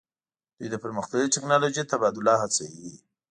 دوی د پرمختللې ټیکنالوژۍ تبادله هڅوي